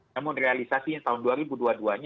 namun realisasinya tahun dua ribu dua puluh dua nya